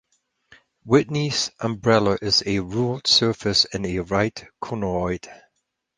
Whitney's umbrella is a ruled surface and a right conoid.